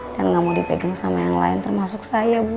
dan gak mau dipegang sama yang lain termasuk saya bu